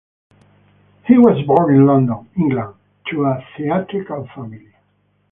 He was born in London, England, to a theatrical family.